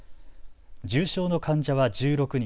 重症の患者は１６人。